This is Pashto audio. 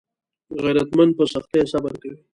غیرتمند په سختیو صبر کوي